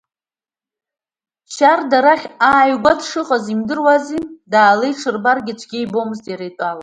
Шьарда арахь ааигәа дшыҟаз имдыруази, даалеиҽырбаргьы цәгьа ибомызт иара итәала.